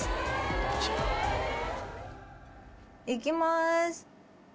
いきます！